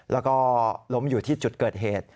แล้วก็ล้มอยู่ที่จุดเกิดเหตุ